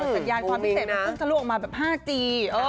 ตัดยานความพิเศษมันกึ้งถลั่วออกมาแบบ๕จี